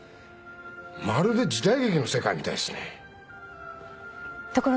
まるで時代劇の世界みたいっすね。